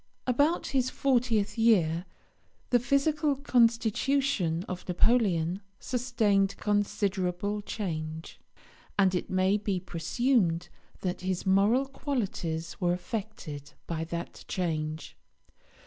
About his fortieth year the physical constitution of Napoleon sustained considerable change; and it may be presumed that his moral qualities were affected by that change.